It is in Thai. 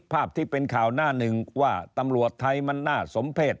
ภาพที่เป็นข่าวหน้าหนึ่งว่าตำรวจไทยมันน่าสมเพศ